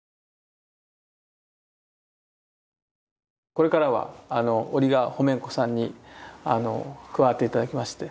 これからはオリガホメンコさんに加わって頂きまして。